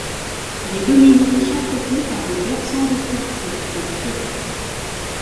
Elle est dominée de chaque côté par des versants escarpés, les crêts.